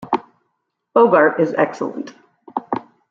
Bogart is excellent.